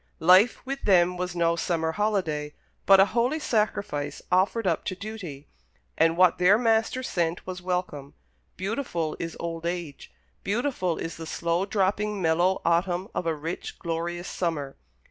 Life with them was no summer holiday, but a holy sacrifice offered up to duty, and what their Master sent was welcome. Beautiful is old age beautiful is the slow dropping mellow autumn of a rich, glorious summer.